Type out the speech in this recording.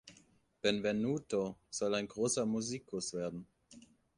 Benvenuto soll "ein großer Musikus werden".